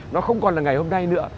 nó không còn là ngày hôm nay nữa